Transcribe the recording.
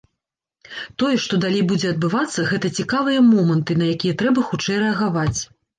Тое, што далей будзе адбывацца, гэта цікавыя моманты, на якія трэба хутчэй рэагаваць.